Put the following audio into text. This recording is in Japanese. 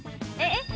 えっ？